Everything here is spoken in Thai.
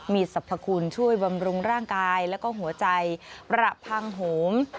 มีสรรพคุณช่วยบำรุงร่างกายแล้วก็หัวใจประพังโหม